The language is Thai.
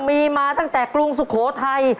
มีมาตั้งแต่กรุงสุโขทัย